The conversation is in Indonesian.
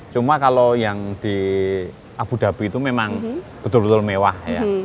cuma kalau yang di abu dhabi itu memang betul betul mewah ya